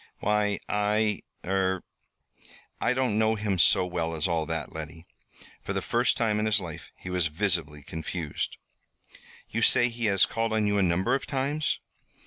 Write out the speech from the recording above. "Why, I er I don't know him so well as all that, Letty." For the first time in his life he was visibly confused. "You say he has called on you a number of times?"